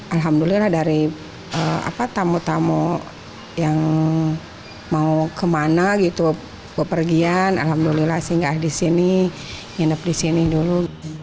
alhamdulillah dari tamu tamu yang mau kemana gitu bepergian alhamdulillah singgah di sini nginep di sini dulu